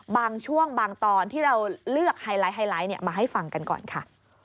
บางช่วงบางตอนที่เราเลือกไฮไลท์ไฮไลท์มาให้ฟังกันก่อนค่ะ